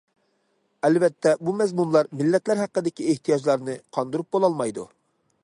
ئەلۋەتتە بۇ مەزمۇنلار مىللەتلەر ھەققىدىكى ئېھتىياجلارنى قاندۇرۇپ بولالمايدۇ.